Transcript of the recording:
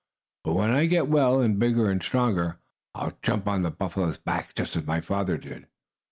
"But when I get well, and bigger and stronger, I'll jump on a buffalo's back, just as my father did!"